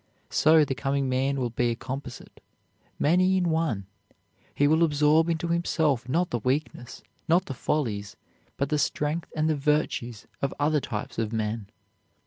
So the coming man will be a composite, many in one. He will absorb into himself not the weakness, not the follies, but the strength and the virtues of other types of men.